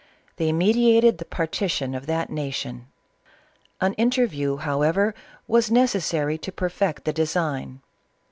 They meditated the partition of that nation ; an interview, however, was necessary to perfect the design.